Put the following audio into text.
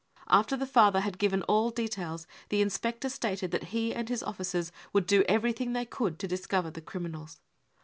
After the father had given all details, the inspector stated that he and his officers would do everything they could to discover the criminals.